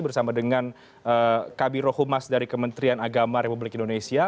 bersama dengan kb rohumas dari kementerian agama republik indonesia